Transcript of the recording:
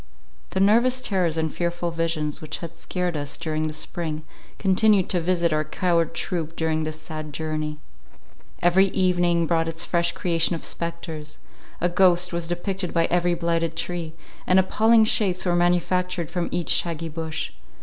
The nervous terrors and fearful visions which had scared us during the spring, continued to visit our coward troop during this sad journey. Every evening brought its fresh creation of spectres; a ghost was depicted by every blighted tree; and appalling shapes were manufactured from each shaggy bush.